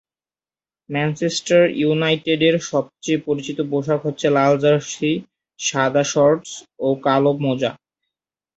Manchester ইউনাইটেডের সবচেয়ে পরিচিত পোশাক হচ্ছে লাল জার্সি, সাদা শর্টস ও কালো মোজা।